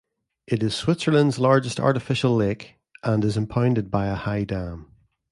It is Switzerland's largest artificial lake, and is impounded by a high dam.